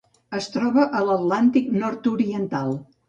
Es troba a l'Atlàntic nord-oriental.